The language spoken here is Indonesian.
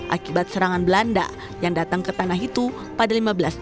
akibat serangan belanda yang datang ke tanah itu pada seribu lima ratus tiga puluh